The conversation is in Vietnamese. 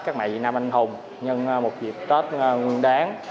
các mẹ việt nam anh hùng nhân một dịp tết nguyên đáng